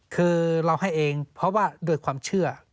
คือเราให้เองเพราะว่าโดยความเชื่อ